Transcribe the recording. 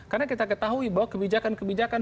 karena kita ketahui bahwa kebijakan kebijakan